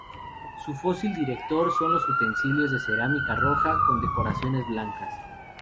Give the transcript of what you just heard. Su fósil director son los utensilios de cerámica roja con decoraciones blancas.